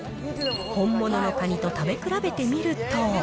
本物のカニと食べ比べてみると。